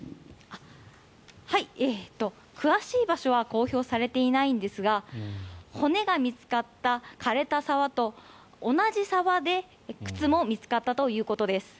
詳しい場所は公表されていないんですが骨が見つかった枯れた沢と同じ沢で靴も見つかったということです。